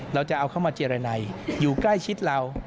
เราจะเอาเข้ามาเจรนัยอยู่ใกล้ชิดเรา